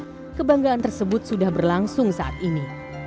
pada bulan maret kebanggaan tersebut sudah berlangsung saat ini